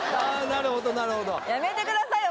なるほどなるほどやめてくださいよ